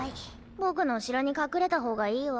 僕の後ろに隠れた方がいいよ。